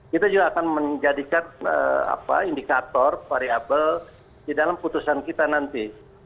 kita juga akan menjadikan indikator variable di dalam putusan kita nanti